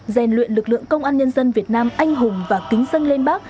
rèn luyện lực lượng công an nhân dân việt nam anh hùng và kính dân lên bác